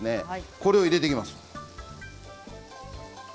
これを入れていきます。